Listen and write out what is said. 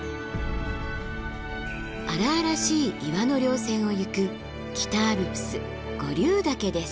荒々しい岩の稜線をゆく北アルプス五竜岳です。